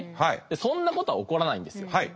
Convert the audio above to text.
そんなことは起こらないんですよ。